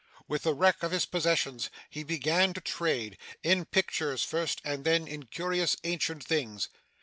With the wreck of his possessions, he began to trade in pictures first, and then in curious ancient things.